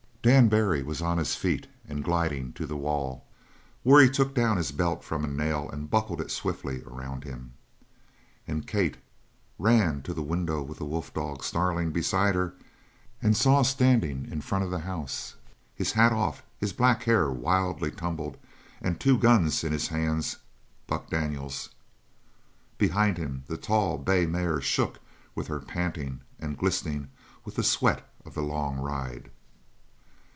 Dan Barry was on his feet and gliding to the wall, where he took down his belt from a nail and buckled it swiftly around him. And Kate ran to the window with the wolf dog snarling beside her and saw standing in front of the house, his hat off, his black hair wildly tumbled, and two guns in his hands, Buck Daniels! Behind him the tall bay mare shook with her panting and glistened with the sweat of the long ride.